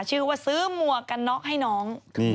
ชื่อว่าซื้อหมวกกันน็อกให้น้อง